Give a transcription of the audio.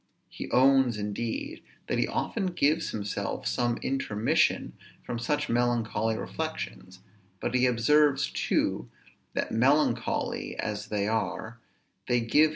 He owns, indeed, that he often gives himself some intermission from such melancholy reflections; but he observes, too, that, melancholy as they are, they give him pleasure.